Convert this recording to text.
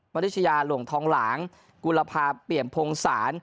ริชยาหลวงทองหลางกุลภาพเปี่ยมพงศาล